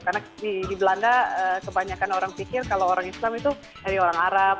karena di belanda kebanyakan orang pikir kalau orang islam itu dari orang arab